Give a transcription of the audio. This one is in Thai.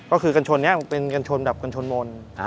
ก็คือกันชนนี้เป็นกันชนแบบกันชนมนต์